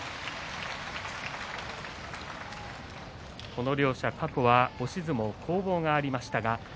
この両者過去は押し相撲で攻防がありましたが。